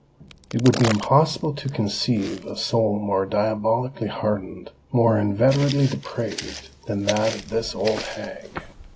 It would be impossible to conceive a soul more diabolically hardened, more inveterately depraved, than that of this old hag.